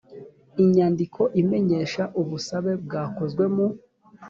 inyandiko imenyesha ubusabe bwakozwe mu